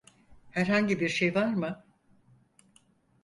Herhangi bir şey var mı?